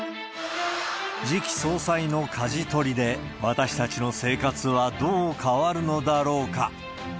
次期総裁のかじ取りで、私たちの生活はどう変わるのだろうか。